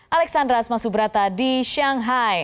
alexandra asmasubrata di shanghai